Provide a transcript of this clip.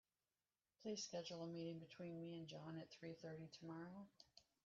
Please schedule a meeting between me and John at three thirty tomorrow.